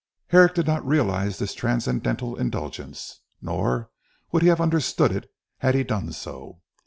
Herrick did not realize this transcendental indulgence, nor would he have understood it, had he done so.